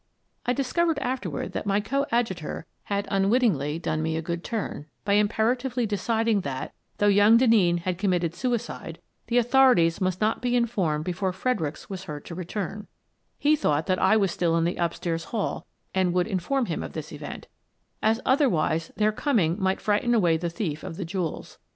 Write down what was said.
I discovered afterward that my coadjutor had un wittingly done me a good turn by imperatively de ciding that, though young Denneen had committed suicide, the authorities must not be informed before Fredericks was heard to return (he thought that I was still in the up stairs hall and would inform him of this event), as otherwise their coming might frighten away the thief of the jewels.